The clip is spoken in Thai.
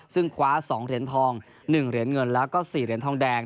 ซึ่งคว้า๒เหรียญทอง๑เหรียญเงินแล้วก็๔เหรียญทองแดง